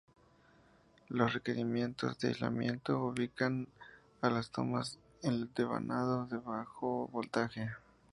Los requerimientos de aislamiento ubican a las tomas en el devanado de bajo voltaje.